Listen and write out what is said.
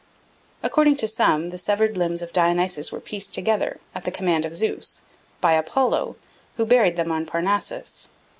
According to some, the severed limbs of Dionysus were pieced together, at the command of Zeus, by Apollo, who buried them on Parnassus.